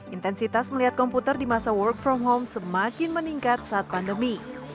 intensitas melihat komputer di masa work from home semakin meningkat saat pandemi